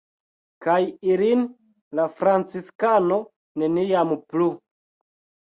Kaj ilin la franciskano neniam plu!